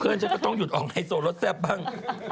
ฉันก็ต้องหยุดออกไฮโซรสแซ่บบ้าง